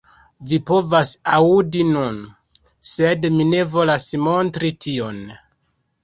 Vi povas aŭdi nun, sed mi ne volas montri tion.